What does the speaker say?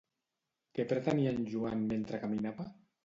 Què pretenia en Joan mentre caminava?